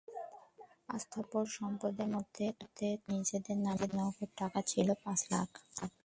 অস্থাবর সম্পদের মধ্যে তখন নিজের নামে নগদ টাকা ছিল পাঁচ লাখ।